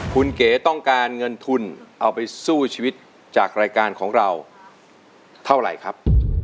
คุณเก๋ต้องการเงินทุนเอาไปสู้ชีวิตจากรายการของเราเท่าไหร่ครับ